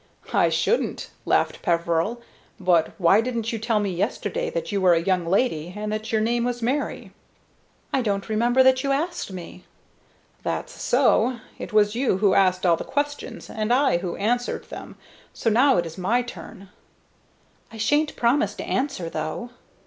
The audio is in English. "I shouldn't," laughed Peveril; "but why didn't you tell me yesterday that you were a young lady, and that your name was Mary?" "I don't remember that you asked me." "That's so. It was you who asked all the questions and I who answered them. So now it is my turn." "I sha'n't promise to answer, though."